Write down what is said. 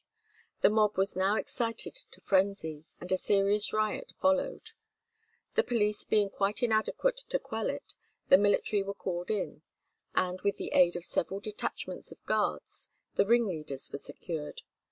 The mob was now excited to frenzy, and a serious riot followed. The police being quite inadequate to quell it, the military were called in, and with the aid of several detachments of Guards the ringleaders were secured.